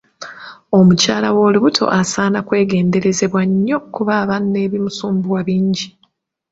Omukyala owoolubuto asaana kwegenderezebwa nnyo kuba aba n'ebimusumbuwa bingi.